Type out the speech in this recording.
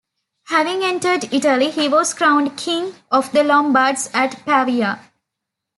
Having entered Italy, he was crowned King of the Lombards at Pavia.